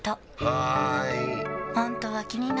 はーい！